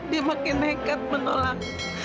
dia makin nekat menolak